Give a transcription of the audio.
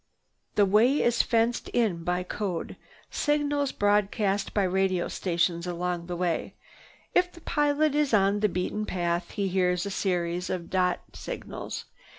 The way is "fenced" in by code signals broadcast by radio stations along the way. If the pilot is on the beaten path he hears a series of dot signals.